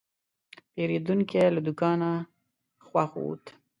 پیرودونکی له دوکانه خوښ ووت.